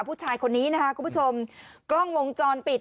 ผู้ชายคนนี้นะคะคุณผู้ชมกล้องวงจรปิด